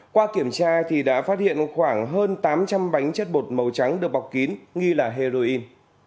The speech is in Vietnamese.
qua kiểm tra thì đã phát hiện khoảng hơn tám trăm linh bánh chất bột màu trắng được bọc kín nghi là heroin